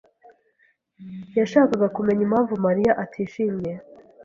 yashakaga kumenya impamvu Mariya atishimye.